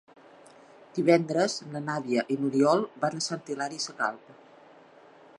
Divendres na Nàdia i n'Oriol van a Sant Hilari Sacalm.